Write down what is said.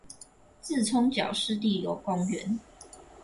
莿蔥腳濕地公園